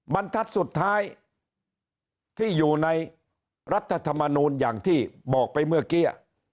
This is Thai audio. บรรทัศน์สุดท้ายที่อยู่ในรัฐธรรมนูลอย่างที่บอกไปเมื่อกี้